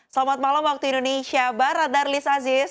selamat malam waktu indonesia barat darlis aziz